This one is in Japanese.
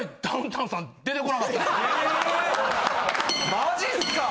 マジすか！？